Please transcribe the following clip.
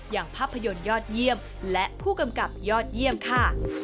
อย่างภาพยนตร์ยอดเยี่ยมและผู้กำกับยอดเยี่ยมค่ะ